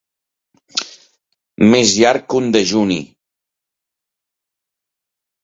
Més llarg que un dejuni.